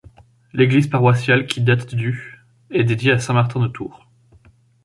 L'église paroissiale qui date du est dédiée à Saint Martin de Tours.